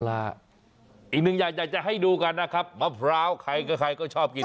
อีกหนึ่งอย่างอยากจะให้ดูกันนะครับมะพร้าวใครก็ใครก็ชอบกิน